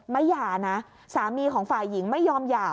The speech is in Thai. หย่านะสามีของฝ่ายหญิงไม่ยอมหย่า